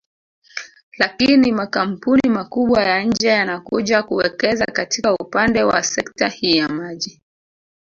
Lakini makampuni makubwa ya nje yanakuja kuwekeza katika upande wa sekta hii ya maji